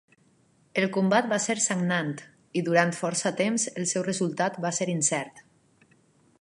El combat va ser sagnant, i durant força temps el seu resultat va ser incert.